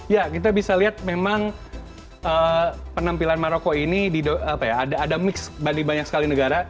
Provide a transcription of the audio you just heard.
ya kita bisa lihat memang penampilan maroko ini ada mix bali banyak sekali negara